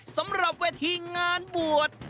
สำหรับเวทีงานบวช